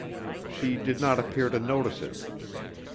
She did not appear to notice it.